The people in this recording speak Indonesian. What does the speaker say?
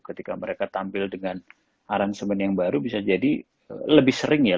ketika mereka tampil dengan aransemen yang baru bisa jadi lebih sering ya